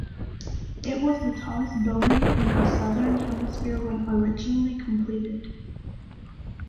It was the tallest building in the southern hemisphere when originally completed.